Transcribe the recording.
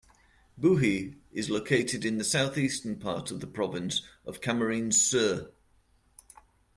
Buhi is located in the south-eastern part of the province of Camarines Sur.